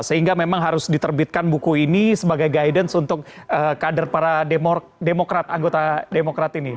sehingga memang harus diterbitkan buku ini sebagai guidance untuk kader para demokrat anggota demokrat ini